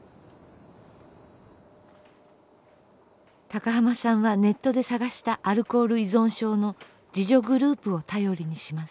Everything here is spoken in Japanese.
高浜さんはネットで探したアルコール依存症の自助グループを頼りにします。